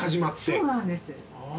そうなんです。